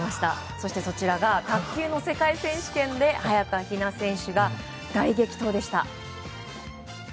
そして、そちらが卓球の世界選手権で早田ひな選手が大激闘でした。